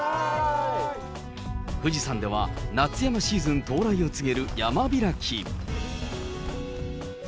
富士山では夏山シーズン到来を告げる山開き。